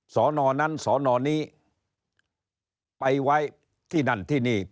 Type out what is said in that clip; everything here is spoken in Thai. สอนอนั้นสอนอนี้ไปไว้ที่นั่นที่นี่